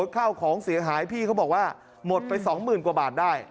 ข้าวของเสียหายพี่เขาบอกว่าหมดไป๒๐๐๐กว่าบาทได้